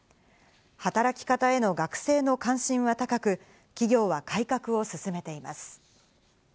働き方への学生の関心は高く、企業は改革を進めています。